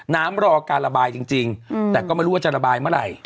รอการระบายจริงแต่ก็ไม่รู้ว่าจะระบายเมื่อไหร่